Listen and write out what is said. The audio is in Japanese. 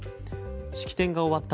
式典が終わった